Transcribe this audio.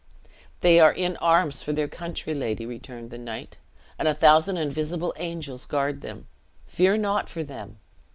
"They are in arms for their country, lady," returned the knight; "and a thousand invisible angels guard them; fear not for them!